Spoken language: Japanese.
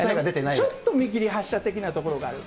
ちょっと見切り発車的なところがある。